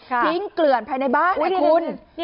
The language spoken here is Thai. ทิ้งเกลื่อนภายในบ้านน่ะคุณ